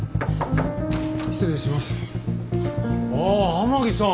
天樹さん。